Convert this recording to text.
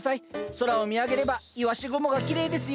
空を見上げればいわし雲がきれいですよ。